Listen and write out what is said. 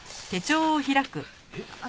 えっ！？